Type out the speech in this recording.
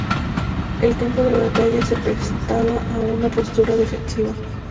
El campo de batalla se prestaba a una postura defensiva.